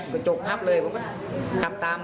กระจกพับเลยผมก็ขับตาม